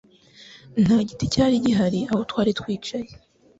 Nta giti cyari gihari aho twari twicaye